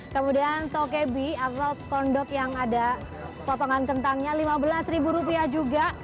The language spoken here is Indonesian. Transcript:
kemudian tokebi atau corn dog yang ada potongan kentangnya rp lima belas juga